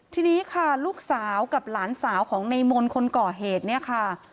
ทีนี้ค่ะลูกสาวกับหลานสาวของในมนต์คนก่อเหตุเนี่ยค่ะ